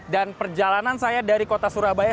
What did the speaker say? perjalanan saya dari kota surabaya